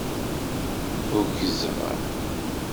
Ukzɣ